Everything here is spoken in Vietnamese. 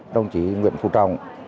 đồng chí nguyễn phú trọng